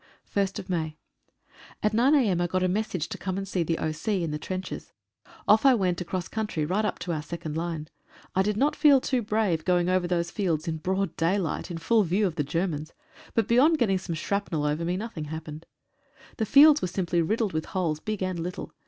1st May — At 9 a.m. 1 got a message to come and see the O.C. in the trenches. Off I went across country right up to our second line. I did not feel too brave going over those fields in broad daylight in full view of the Germans, but beyond getting some shrapnel over me nothing happened. The fields were simply riddled with holes, big and little.